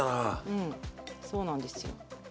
うんそうなんですよ。